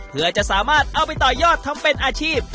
เพื่อจะสามารถเอาไปต่อยอดทำเป็นอาชีพ